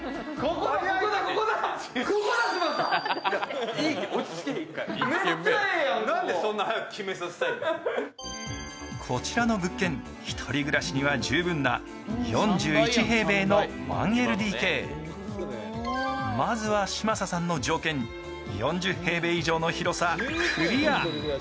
こここちらの物件一人暮らしには十分な４１平米の１ＬＤＫまずは嶋佐さんの条件４０平米以上の広さクリア